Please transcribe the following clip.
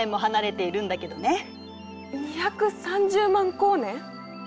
２３０万光年！？